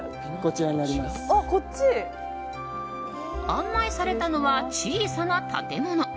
案内されたのは小さな建物。